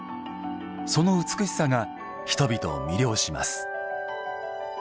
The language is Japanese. その美しさが、人々を魅了します。